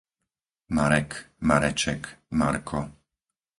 Marek, Mareček, Marko